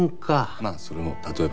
まあそれも例えば。